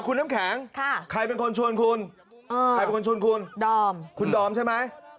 คุณน้ำแข็งใครเป็นคนชวนคุณใครเป็นคนชวนคุณดอมคุณดอมใช่ไหม